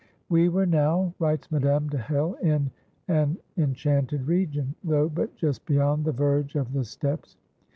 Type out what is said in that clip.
"We were now," writes Madame de Hell, "in an enchanted region, though but just beyond the verge of the steppes.